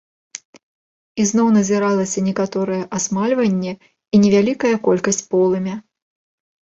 Ізноў назіралася некаторае асмальванне і невялікая колькасць полымя.